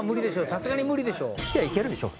さすがに、無理でしょ。